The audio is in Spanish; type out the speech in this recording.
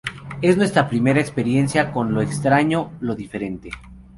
Es nuestra primera experiencia con lo extraño, lo diferente".